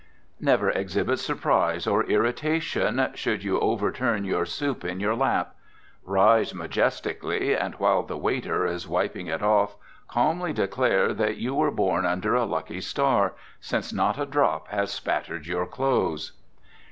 Never exhibit surprise or irritation, should you overturn your soup in your lap. Rise majestically, and while the waiter is wiping it off, calmly declare that you were born under a lucky star, since not a drop has spattered your clothes.